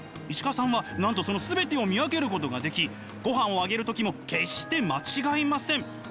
石川さんはなんとその全てを見分けることができ御飯をあげる時も決して間違いません。